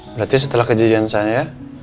berarti setelah kejadian saya